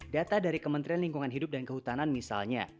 data dari kementerian lingkungan hidup dan kehutanan misalnya